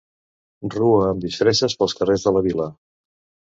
Rua amb disfresses pels carrers de la vila.